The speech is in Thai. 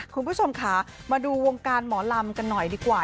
คุณผู้ชมค่ะมาดูวงการหมอลำกันหน่อยดีกว่า